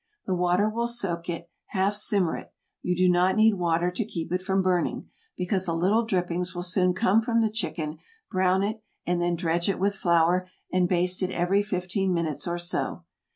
The water will soak it, half simmer it; you do not need water to keep it from burning, because a little drippings will soon come from the chicken; brown it and then dredge it with flour, and baste it every fifteen minutes or so.